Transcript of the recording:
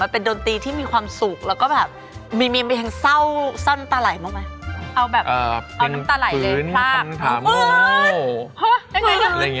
โอเคครับผมเข้าใจแล้วครับว่าทั้งสองคนได้ฟังไปจริง